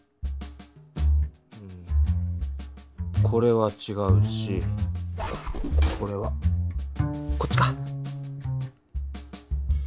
これはちがうしこれはこっちか！